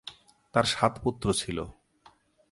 তার সাত পুত্র ছিল।